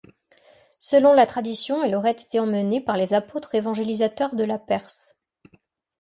Selon la tradition, elle aurait été emmenée par les apôtres évangélisateurs de la Perse.